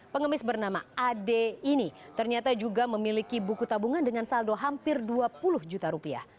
pengemis bernama ad ini ternyata juga memiliki buku tabungan dengan saldo hampir dua puluh juta rupiah